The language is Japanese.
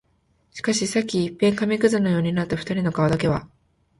しかし、さっき一片紙屑のようになった二人の顔だけは、